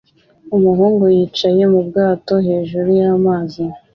Umuhungu yicaye mu bwato hejuru y'amazi